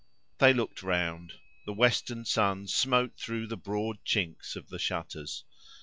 They looked round: the western sun smote through the broad chinks of the shutters.